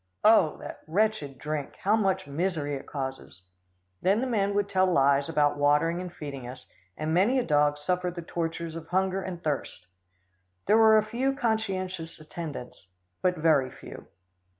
Oh! that wretched drink how much misery it causes. Then the men would tell lies about watering and feeding us, and many a dog suffered the tortures of hunger and thirst. There were a few conscientious attendants, but very few.